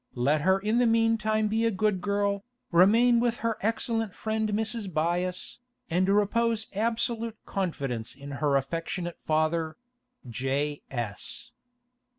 Let her in the meantime be a good girl, remain with her excellent friend Mrs. Byass, and repose absolute confidence in her affectionate father—J. S.